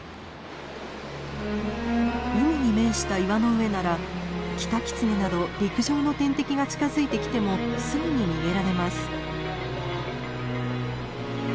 海に面した岩の上ならキタキツネなど陸上の天敵が近づいてきてもすぐに逃げられます。